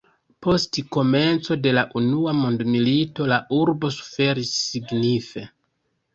Post komenco de la Unua Mondmilito la urbo suferis signife.